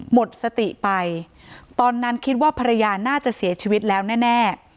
หมดสติไปตอนนั้นคิดว่าภรรยาน่าจะเสียชีวิตแล้วแน่